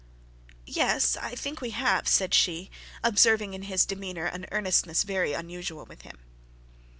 'Yes, I think we have,' said she, observing in his demeanour an earnestness very unusual with him.